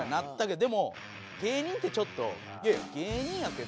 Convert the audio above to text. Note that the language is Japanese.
でも芸人ってちょっといや芸人やけど？